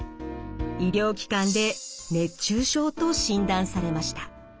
医療機関で熱中症と診断されました。